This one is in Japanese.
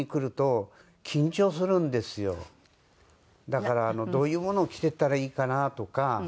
だからどういうものを着ていったらいいかなとか。